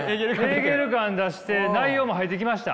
ヘーゲル感出して内容も入ってきました？